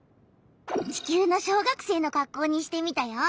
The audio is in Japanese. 地球の小学生のかっこうにしてみたよ。